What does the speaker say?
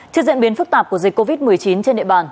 trước diễn biến phức tạp của dịch covid một mươi chín trên địa bàn